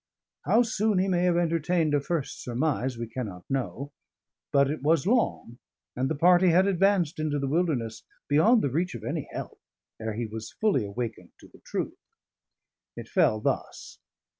How soon he may have entertained a first surmise, we cannot know; but it was long, and the party had advanced into the Wilderness beyond the reach of any help, ere he was fully awakened to the truth. It fell thus.